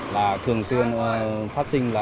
là thường xuyên phát sinh